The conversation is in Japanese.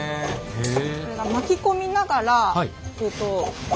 へえ。